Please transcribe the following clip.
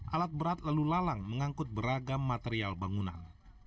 alat berat lalu lalang mengangkut beragam material bangunan